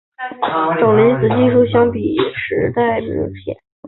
跟从前的阴极射线管和等离子技术相比迟滞明显。